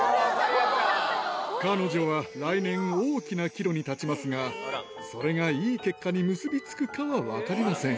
彼女は来年、大きな岐路に立ちますが、それがいい結果に結び付くかは分かりません。